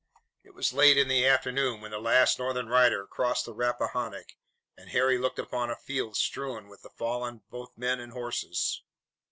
It was late in the afternoon when the last Northern rider crossed the Rappahannock, and Harry looked upon a field strewn with the fallen, both men and horses.